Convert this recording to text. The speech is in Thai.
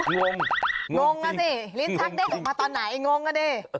งงงงอ่ะสิลิ้นชักเด้งออกมาตอนไหนงงอ่ะดิ